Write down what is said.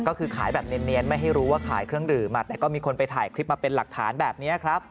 ก็คือขายแบบเนียนไม่ให้รู้ว่าขายเครื่องดื่มแต่ก็มีคนไปถ่ายคลิปมาเป็นหลักฐานแบบนี้ครับ